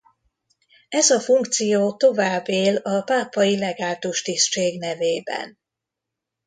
Ez a funkció tovább él a pápai legátus tisztség nevében.